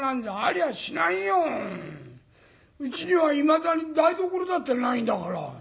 うちにはいまだに台所だってないんだから」。